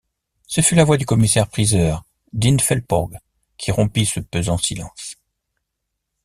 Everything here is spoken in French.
Ce fut la voix du commissaire-priseur Dean Felporg, qui rompit ce pesant silence.